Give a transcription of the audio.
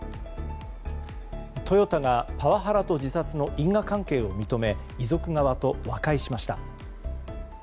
トヨタがパワハラと自殺の因果関係を認め遺族側と和解しました。